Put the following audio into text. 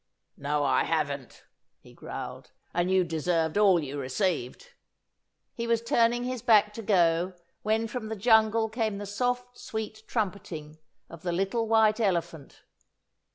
"No, I haven't," he growled, "and you deserved all you received!" He was turning his back to go, when from the jungle came the soft, sweet trumpeting of the little White Elephant.